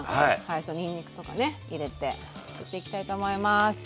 あとにんにくとかね入れてつくっていきたいと思います。